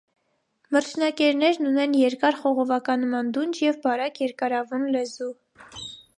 Մրջնակերներն ունեն երկար խողովականման դունչ և բարակ երկարավուն լեզու։